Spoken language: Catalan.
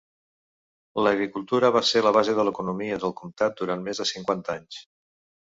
L'agricultura va ser la base de l'economia del comtat durant més de cinquanta anys.